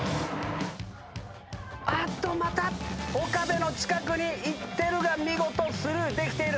また岡部の近くに行ってるが見事スルーできている。